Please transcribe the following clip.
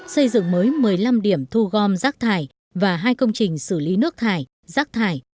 xây dựng mới một mươi năm điểm thu gom rác thải và hai công trình xử lý nước thải rác thải